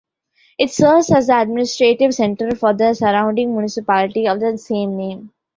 It serves as the administrative centre for the surrounding municipality of the same name.